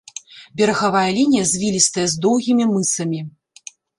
Берагавая лінія звілістая, з доўгімі мысамі.